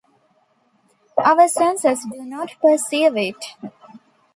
Our senses do not perceive it.